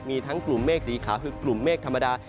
มีทั้งกลุ่มเมฆสีขาวคือกลุ่มเมฆธรรมดา